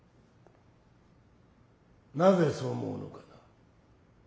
なぜそう思うのかな？